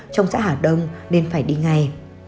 trong xã hà đông nên phải đi ngay